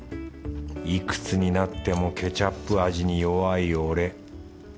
いくつになってもケチャップ味に弱い俺。